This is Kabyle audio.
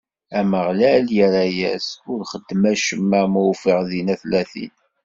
Ameɣlal irra-as: Ur xeddmeɣ acemma ma ufiɣ dinna tlatin.